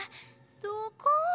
どこ？